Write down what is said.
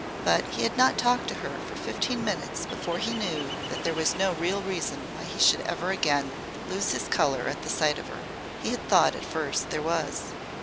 But he had not talked to her for fifteen minutes before he knew that there was no real reason why he should ever again lose his colour at the sight of her. He had thought, at first, there was.